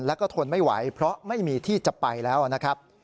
แล้วก็ทนไม่ไหวเพราะไม่มีที่จะไปแล้วนะครับ